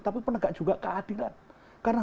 tapi penegak juga keadilan karena